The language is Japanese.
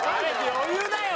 余裕だよ！